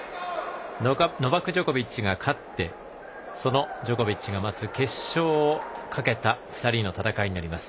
ノバク・ジョコビッチが勝ってそのジョコビッチが待つ決勝をかけた２人の戦いになります。